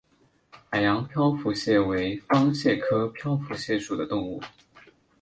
海洋漂浮蟹为方蟹科漂浮蟹属的动物。